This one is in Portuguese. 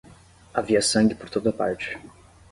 Havia sangue por toda parte.